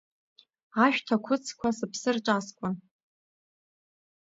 Ашәҭ ақәыцқәа сыԥсы рҿаскуан.